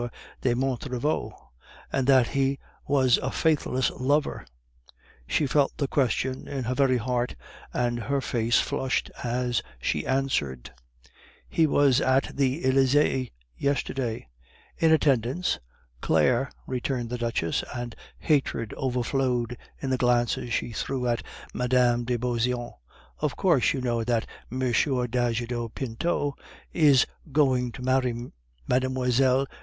de Montriveau, and that he was a faithless lover; she felt the question in her very heart, and her face flushed as she answered: "He was at the Elysee yesterday." "In attendance?" "Claire," returned the Duchess, and hatred overflowed in the glances she threw at Mme. de Beauseant; "of course you know that M. d'Ajuda Pinto is going to marry Mlle.